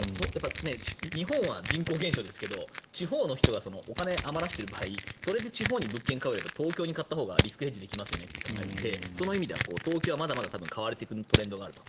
日本は人口減少ですけど地方の人がお金を余らせている場合それで地方に物件を買うより東京に買ったほうがリスクヘッジできますよねと考えるのでその意味では、東京はまだまだ買われていくトレンドがあると。